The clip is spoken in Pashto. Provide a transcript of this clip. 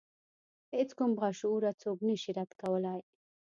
هیڅ کوم باشعوره څوک نشي رد کولای.